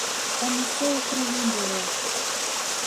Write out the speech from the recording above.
Там усё ў крыві было.